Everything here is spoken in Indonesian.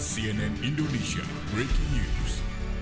cnn indonesia breaking news